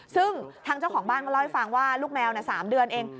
ซึ่งทางเจ้าของบ้านก็เล่าให้ฟังว่าลูกแมว๓เดือนเอง